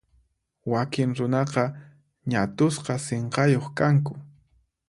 Wakin runaqa ñat'usqa sinqayuq kanku.